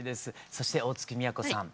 そして大月みやこさん